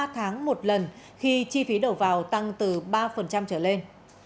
ba tháng một lần khi chi phí đầu vào tăng từ ba trở lên